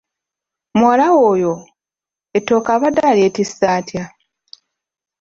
Muwala we oyo ettooke abadde alyetisse atya?